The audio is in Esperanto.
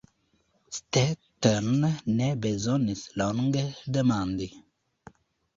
Stetten ne bezonis longe demandi.